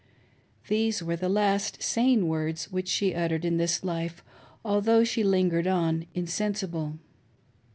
These were the last sane words which she uttered in this life, although she still lingered on insensible.